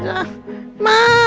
ya ya silahkan masuk